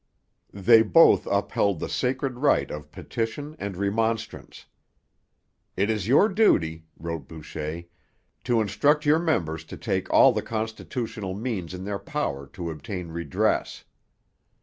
They both upheld the sacred right of petition and remonstrance. 'It is your duty,' wrote Boucher, 'to instruct your members to take all the constitutional means in their power to obtain redress.'